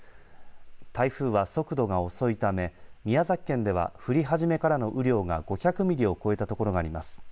台風は速度が遅いため宮崎県では降り始めからの雨量が５００ミリを超えたところがあります。